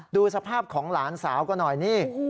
ดูสภาพของหลานสาวก็หน่อยนี่